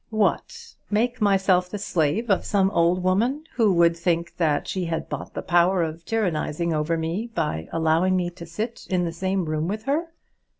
What! make myself the slave of some old woman, who would think that she had bought the power of tyrannising over me by allowing me to sit in the same room with her?